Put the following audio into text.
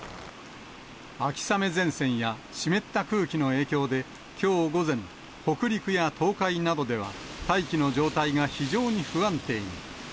秋雨前線や湿った空気の影響で、きょう午前、北陸や東海などでは大気の状態が非常に不安定に。